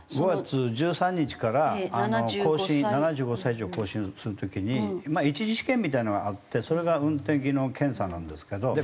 ５月１３日から更新７５歳以上更新する時にまあ１次試験みたいなのがあってそれが運転技能検査なんですけど。